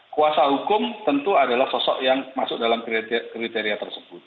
kuasa hukum tentu adalah sosok yang masuk dalam kriteria tersebut